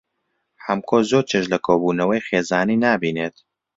حەمکۆ زۆر چێژ لە کۆبوونەوەی خێزانی نابینێت.